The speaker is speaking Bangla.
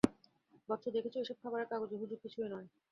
বৎস, দেখছ এইসব খবরের কাগজের হুজুগ কিছুই নয়।